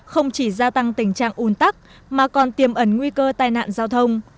không chỉ gia tăng tình trạng un tắc mà còn tiềm ẩn nguy cơ tai nạn giao thông